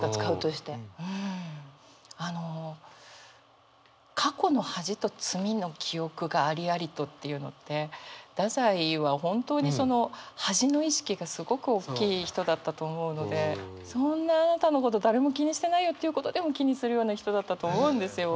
あの「過去の恥と罪の記憶が、ありありと」っていうのって太宰は本当にその恥の意識がすごくおっきい人だったと思うのでそんなあなたのこと誰も気にしてないよということでも気にするような人だったと思うんですよ。